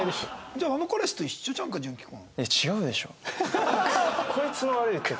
じゃああの彼氏と一緒じゃんか純喜君。